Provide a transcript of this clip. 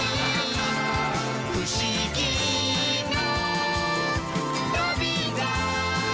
「ふしぎのとびら！」